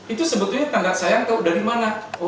itu sebetulnya tanggat sayang dari mana